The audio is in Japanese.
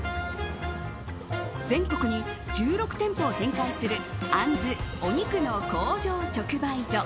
全国に１６店舗を展開するあんずお肉の工場直売所。